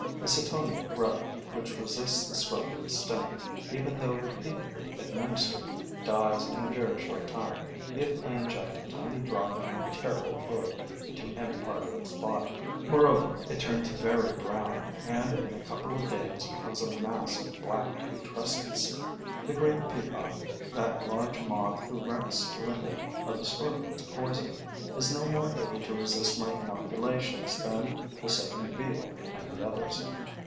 A Cetonia grub, which resists the scorpion's sting, even though repeatedly administered, dies in a very short time if I inject a tiny drop of my terrible fluid into any part of its body. Moreover, it turns very brown and, in a couple of days, becomes a mass of black putrescence. The great peacock, that large moth who recks little of the scorpion's poison, is no more able to resist my inoculations than the sacred beetle and the others.